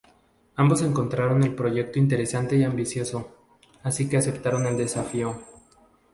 Ambos encontraron el proyecto interesante y ambicioso, así que aceptaron el desafío.